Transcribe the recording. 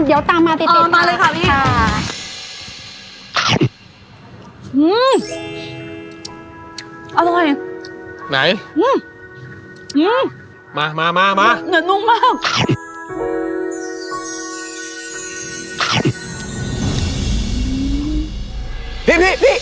เดี๋ยวตามมาติดน่ะค่ะอำมาตมากันเลยค่ะพี่ค่ะ